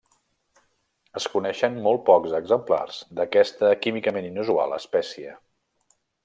Es coneixen molt pocs exemplars d'aquesta químicament inusual espècie.